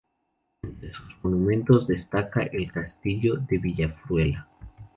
Entre sus monumentos destaca el Castillo de Villafruela.